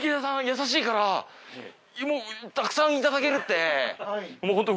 優しいからもうたくさん頂けるって。